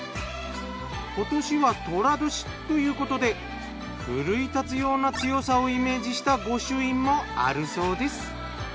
今年は寅年ということで奮い立つような強さをイメージした御朱印もあるそうです。